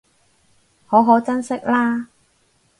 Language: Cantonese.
好好珍惜喇